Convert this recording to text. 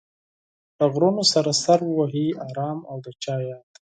له غرونو سره سر وهي ارام او د چا ياد